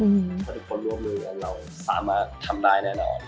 เพราะทุกคนร่วมมือเราสามารถทำได้แน่นอน